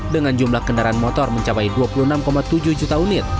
dengan jumlah kendaraan motor mencapai dua puluh enam tujuh juta unit